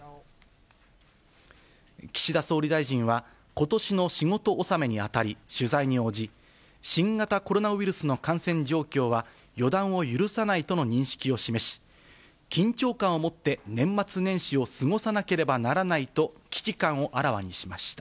岸田総理大臣は、ことしの仕事納めにあたり取材に応じ、新型コロナウイルスの感染状況は予断を許さないとの認識を示し、緊張感を持って年末年始を過ごさなければならないと危機感をあらわにしました。